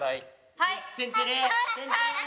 はい！